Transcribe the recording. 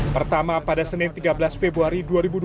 pertama pada senin tiga belas februari dua ribu dua puluh